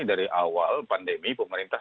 dari awal pandemi pemerintah